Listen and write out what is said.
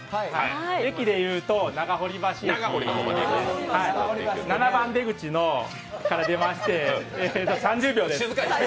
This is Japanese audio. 駅で言うと長堀橋７番出口から出まして３０秒です。